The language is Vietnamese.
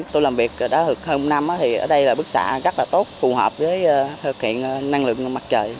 tôi làm việc đã được hơn một năm thì ở đây là bức xạ rất là tốt phù hợp với thực hiện năng lượng mặt trời